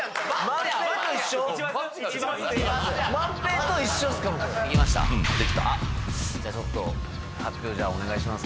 あっじゃあちょっと発表お願いします